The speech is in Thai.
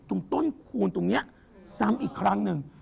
ตรงต้นคูณตรงนี้ซ้ำอีกครั้งหนึ่ง